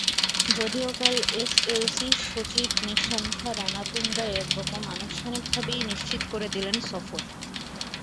যদিও কাল এসএলসি সচিব নিশান্থা রানাতুঙ্গা একরকম আনুষ্ঠানিকভাবেই নিশ্চিত করে দিলেন সফর।